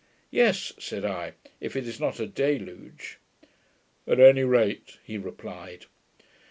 'Yes,' said I, 'if it is not a deluge.' 'At any rate,' he replied.